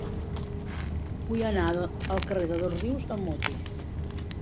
Vull anar al carrer de Dosrius amb moto.